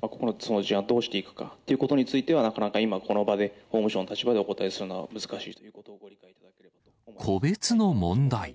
個々の事案をどうしていくかということについては、なかなか今、この場で、法務省の立場でお個別の問題。